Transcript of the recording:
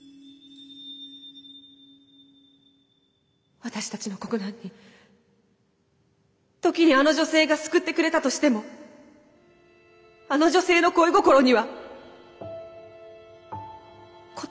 私たちの国難に時にあの女性が救ってくれたとしてもあの女性の恋心には応えることはできないのです。